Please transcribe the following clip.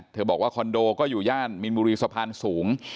บอกว่าคอนโดก็อยู่ย่านมีนบุรีสะพานสูง